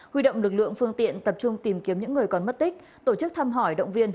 huy động lực lượng phương tiện tập trung tìm kiếm những người còn mất tích tổ chức thăm hỏi động viên